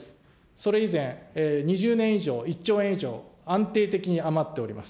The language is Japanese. それ以前、２０年以上、１兆円以上、安定的に余っております。